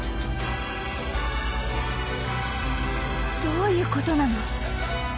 どういうことなの？